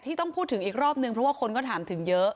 ต้องพูดถึงอีกรอบนึงเพราะว่าคนก็ถามถึงเยอะ